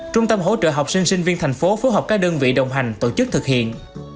trung tâm hỗ trợ học sinh sinh viên thành phố phối hợp các đơn vị đồng hành tổ chức thực hiện